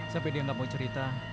sampai dia gak mau cerita